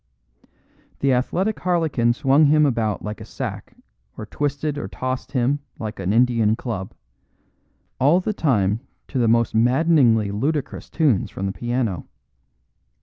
The athletic harlequin swung him about like a sack or twisted or tossed him like an Indian club; all the time to the most maddeningly ludicrous tunes from the piano.